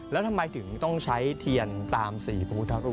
แล้วทำไมถึงต้องใช้เทียนตามสีพระพุทธรูป